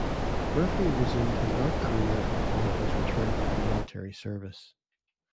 Murphy resumed his art career upon his return from military service.